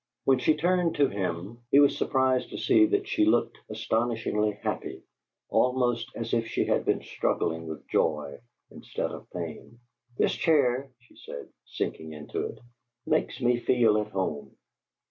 When she turned to him, he was surprised to see that she looked astonishingly happy, almost as if she had been struggling with joy, instead of pain. "This chair," she said, sinking into it, "makes me feel at home."